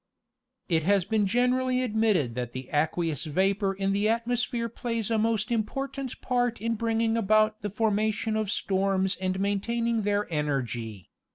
It has been generally admitted that the aqueous vapor in the atmosphere plays a most important part in bringing about the formation of storms and maintaining their energy.